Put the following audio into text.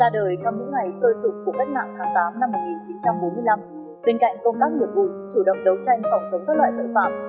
ra đời trong những ngày sôi sụp của bất ngạc tháng tám năm một nghìn chín trăm bốn mươi năm bên cạnh công tác nguồn vụn chủ động đấu tranh phòng chống các loại vật vụn